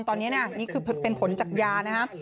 ตอนนี้นี่คือเป็นผลจากยานะครับ